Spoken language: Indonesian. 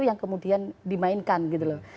yang kemudian dimainkan gitu loh